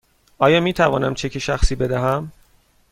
آیا می توانم چک شخصی بدهم؟